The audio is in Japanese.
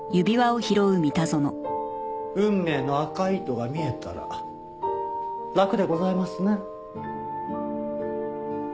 運命の赤い糸が見えたら楽でございますね。